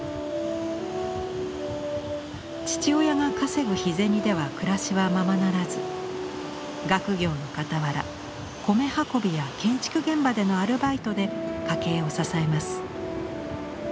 父親が稼ぐ日銭では暮らしはままならず学業のかたわら米運びや建築現場でのアルバイトで家計を支えます。